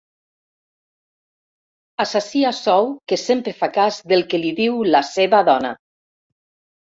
Assassí a sou que sempre fa cas del que li diu la seva dona.